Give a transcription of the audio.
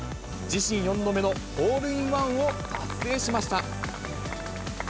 自身４度目のホールインワンを達成しました。